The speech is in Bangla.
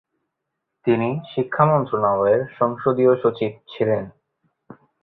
তিনি শিক্ষা মন্ত্রণালয়ের সংসদীয় সচিব ছিলেন।